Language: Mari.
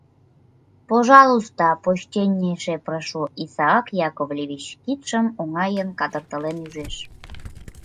— Пожалуйста, почтеннейше прошу, Исаак Яковлевич, — кидшым оҥайын кадырталтен ӱжеш.